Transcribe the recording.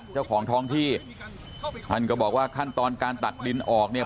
เจ้าของท้องที่ท่านก็บอกว่าขั้นตอนการตักดินออกเนี่ย